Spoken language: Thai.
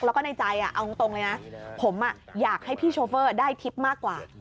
แล้วก็ในใจเอาตรงเลยนะผมอยากให้พี่โชเฟอร์ได้ทริปมากกว่า